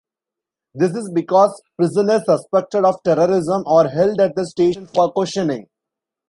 This is because prisoners suspected of terrorism are held at the station for questioning.